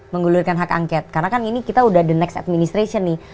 menggulirkan hak angket karena kan ini kita udah the next administration nih